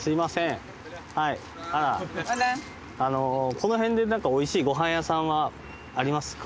この辺でなんかおいしいごはん屋さんはありますか？